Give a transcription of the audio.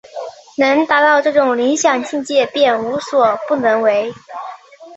能达到这种理想境界便无所不能为。